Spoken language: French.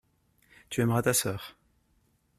tu aimeras ta sœur.